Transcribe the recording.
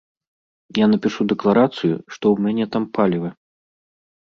Я напішу дэкларацыю, што ў мяне там паліва.